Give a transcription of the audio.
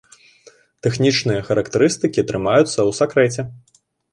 Тэхнічныя характарыстыкі трымаюцца ў сакрэце.